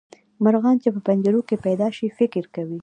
مرغان چې په پنجرو کې پیدا شي فکر کوي.